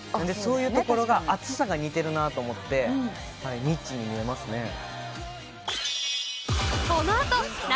そういうところが熱さが似てるなと思ってみっちーに見えますね。